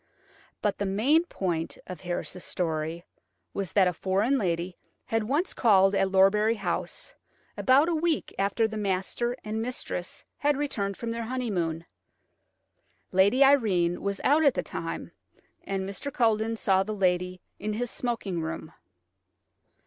But the main point of Harris's story was that a foreign lady had once called at Lorbury House, about a week after the master and mistress had returned from their honeymoon. Lady Irene was out at the time, and Mr. Culledon saw the lady in his smoking room.